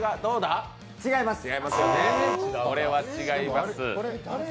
違います。